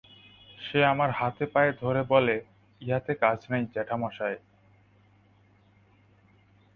সে আমার হাতে পায়ে ধরে, বলে, ইহাতে কাজ নাই, জ্যাঠামশায়।